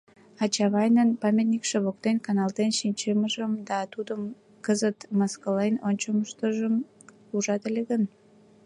А Чавайнын памятникше воктен каналтен шинчымыжым да тудым кызытат мыскылен ончыштмыжым ужат ыле гын?..